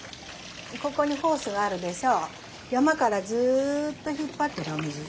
ここにホースがあるでしょ。